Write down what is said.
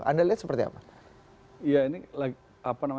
anda lihat seperti apa